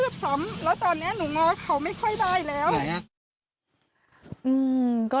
พ่อแม่หนูไม่เคยตี